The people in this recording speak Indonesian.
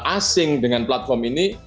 asing dengan platform ini